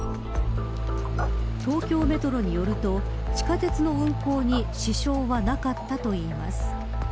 東京メトロによると別の運行に支障はなかったといいます。